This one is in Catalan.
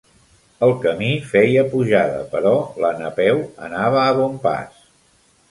El camí feia pujada, però la Napeu anava a bon pas.